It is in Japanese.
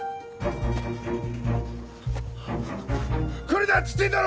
来るなっつってんだろ！